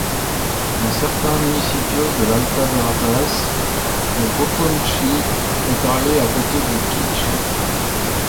Dans certains municipios de l'alta Verapaz, le poqomchi' est parlé à côté du k'iche'.